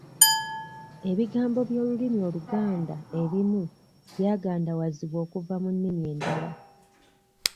Ebigambo by'olulimi Oluganda ebimu byagandawazibwa kuva mu nnimi endala.